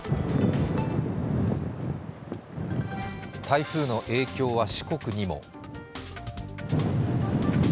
台風の影響は四国にも。